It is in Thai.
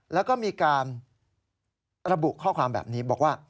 แล้วก็มีการระบุข้อความแบบนี้บอกว่า